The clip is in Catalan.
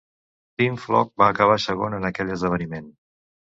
Tim Flock va acabar segon en aquell esdeveniment.